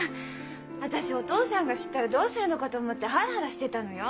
私お父さんが知ったらどうするのかと思ってハラハラしてたのよ。